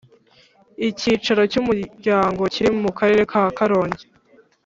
Icyicaro cyUmuryango kiri mu Karere ka Karongi